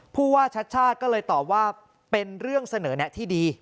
ผู้ว่าชัดชาติก็เลยตอบว่าเป็นเรื่องเสนอแนะที่ดี